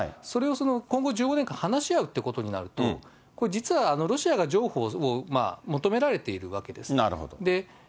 それをその、今後１５年間話し合うということになると、これ、実はロシアが譲歩を求められているわけです。